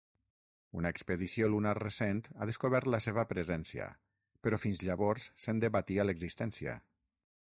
Una expedició lunar recent ha descobert la seva presència, però fins llavors se'n debatia l'existència.